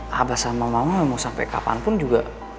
abah sama mama emang sampai kapanpun juga